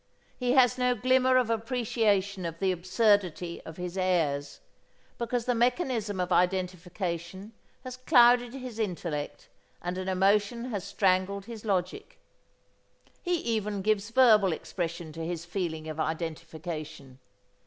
He has no glimmer of appreciation of the absurdity of his airs, because the mechanism of identification has clouded his intellect and an emotion has strangled his logic. He even gives verbal expression to his feeling of identification.